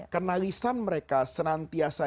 kenalisan mereka senantiasa